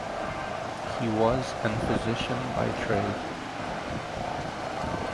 He was an physician by trade.